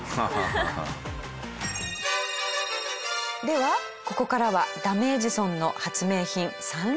ではここからはダメエジソンの発明品３連発をご紹介。